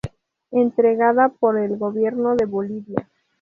Entregada por el gobierno de Bolivia".